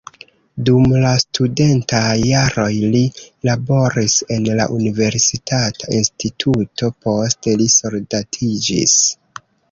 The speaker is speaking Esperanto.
Dum la studentaj jaroj li laboris en la universitata instituto, poste li soldatiĝis.